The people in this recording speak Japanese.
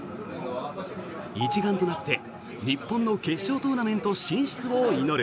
一丸となって、日本の決勝トーナメント進出を祈る。